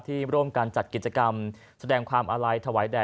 ร่วมกันจัดกิจกรรมแสดงความอาลัยถวายแด่